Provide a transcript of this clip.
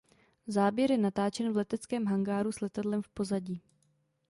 Záběr je natáčen v leteckém hangáru s letadlem v pozadí.